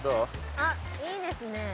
あっいいですね。